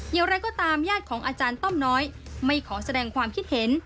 อย่างไรก็ตามญาติของอาจารย์ต้อมน้อยไม่ขอแสดงความคิดเห็น